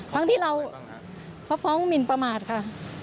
ทั้งที่เราเขาฟ้องหมินประมาทค่ะ